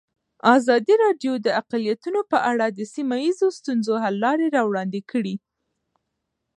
ازادي راډیو د اقلیتونه په اړه د سیمه ییزو ستونزو حل لارې راوړاندې کړې.